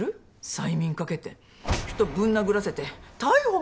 催眠かけて人ぶん殴らせて逮捕まで。